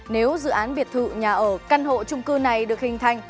nếu dự án biệt thự nhà ở căn hộ trung cư này được hình thành